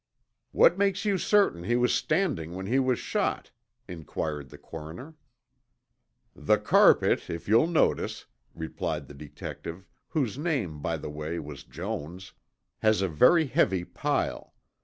"What makes you certain he was standing when he was shot?" inquired the coroner. "The carpet, if you'll notice," replied the detective, whose name, by the way, was Jones, "has a very heavy pile.